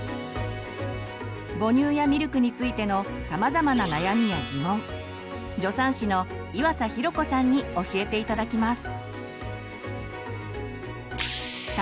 母乳やミルクについてのさまざまな悩みやギモン助産師の岩佐寛子さんに教えて頂きます。